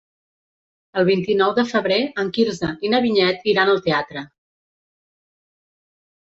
El vint-i-nou de febrer en Quirze i na Vinyet iran al teatre.